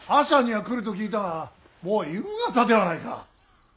朝には来ると聞いたがもう夕方ではないか。